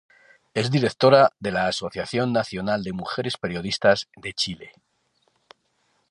Es directora de la Asociación Nacional de Mujeres Periodistas de Chile.